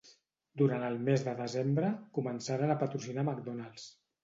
Durant el mes de desembre, començaren a patrocinar McDonald's.